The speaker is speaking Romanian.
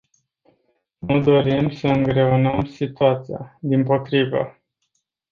Nu dorim să îngreunăm situația, dimpotrivă!